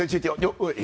おい。